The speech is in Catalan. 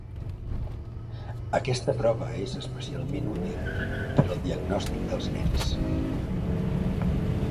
Aquesta prova és especialment útil per al diagnòstic dels nens.